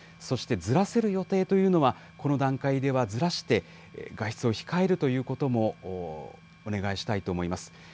そして、ずらせる予定というのはこの段階ではずらして、外出を控えるということも、お願いしたいと思います。